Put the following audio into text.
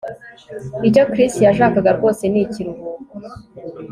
Icyo Chris yashakaga rwose ni ikiruhuko